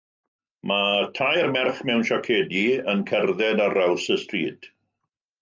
Mae tair merch mewn siacedi yn cerdded ar draws y stryd.